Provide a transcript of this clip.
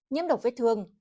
nhiễm độc vết thương